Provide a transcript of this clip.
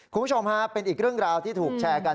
คุณผู้ชมฮะเป็นอีกเรื่องราวที่ถูกแชร์กัน